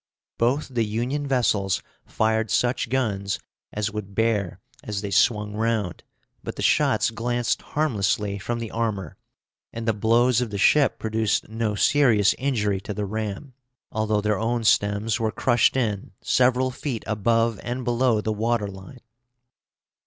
Both the Union vessels fired such guns as would bear as they swung round, but the shots glanced harmlessly from the armor, and the blows of the ship produced no serious injury to the ram, although their own stems were crushed in several feet above and below the water line.